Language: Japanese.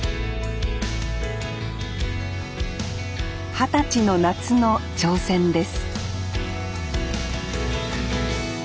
二十歳の夏の挑戦です